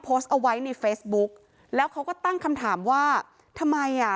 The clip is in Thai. โพสต์เอาไว้ในเฟซบุ๊กแล้วเขาก็ตั้งคำถามว่าทำไมอ่ะ